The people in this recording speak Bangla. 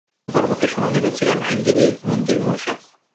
অপরপক্ষে শুনানিতে ছিলেন আইনজীবী মনজিল মোরসেদ।